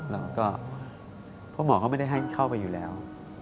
แล้วก็เพราะหมอเขาไม่ได้ให้เข้าไปอยู่แล้ว